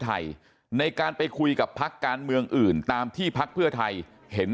ไทยในการไปคุยกับพักการเมืองอื่นตามที่พักเพื่อไทยเห็น